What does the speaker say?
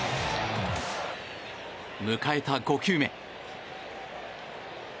迎えた５球目。